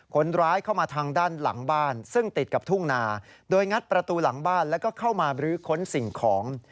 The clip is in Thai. คนร้ายเข้ามาทางด้านหลังบ้านซึ่งติดกับทุ่งนาโดยงัดประตูหลังบ้านแล้วก็เข้ามาบรื้อค้นสิ่งของ